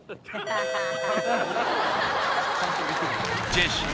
ジェシー